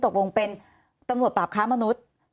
ตกลงเป็นตำรวจปราบค้ามนุษย์